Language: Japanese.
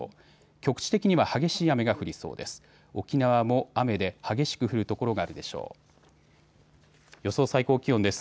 局地的には激しい雨が降りそうです。